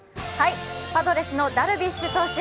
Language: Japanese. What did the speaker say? パドレスのダルビッシュ投手。